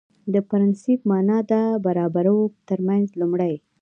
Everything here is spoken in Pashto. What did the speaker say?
د پرنسېپ معنا ده برابرو ترمنځ لومړی